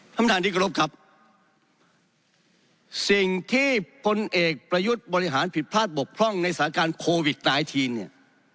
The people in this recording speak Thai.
ท่านประธานที่กรบครับสิ่งที่พลเอกประยุทธ์บริหารผิดพลาดบกพร่องในสถานการณ์โควิดตายทีนเนี่ย